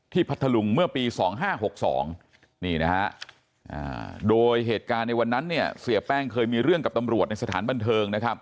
ที่พัทธลุงเมื่อปี๒๕๖๒โดยเหตุการณ์ในวันนั้นเสียแป้งเคยมีเรื่องกับตำรวจในสถานบันเทิง